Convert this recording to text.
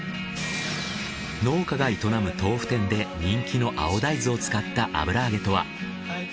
農家が営む豆腐店で人気の青大豆を使った油揚げとは？